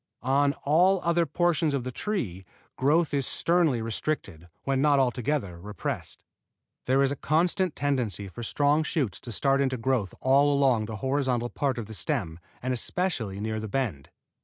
On all other portions of the tree growth is sternly restricted, when not altogether repressed. There is a constant tendency for strong shoots to start into growth all along the horizontal part of the stem and especially near the bend.